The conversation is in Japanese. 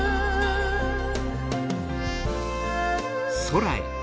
空へ。